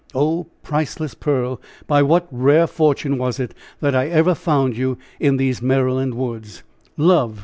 Oh! priceless pearl! By what rare fortune was it that I ever found you in these Maryland woods? Love!